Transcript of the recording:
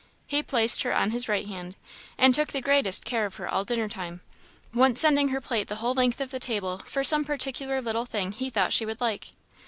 He placed her on his right hand, and took the greatest care of her all dinner time; once sending her plate the whole length of the table for some particular little thing he thought she would like.